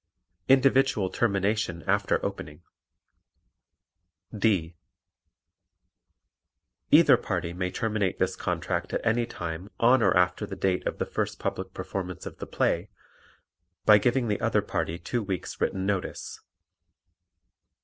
Individual Termination After Opening D. Either party may terminate this contract at any time on or after the date of the first public performance of the play by giving the other party two weeks' written notice.